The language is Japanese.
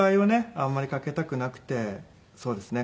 あんまりかけたくなくてそうですね。